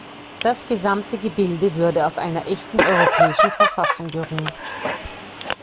Das gesamte Gebilde würde auf einer echten europäischen Verfassung beruhen.